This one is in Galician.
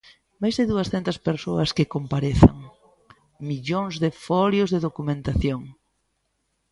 Máis de duascentas persoas que comparezan, millóns de folios de documentación.